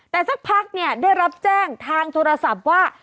แต่สักพักเนี่ยได้รับแจ้งทางโทรศัพท์ว่า